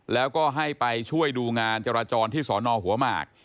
แล้วก็ให้ไปช่วยดูงานจราจรที่สอนอหัวหมาก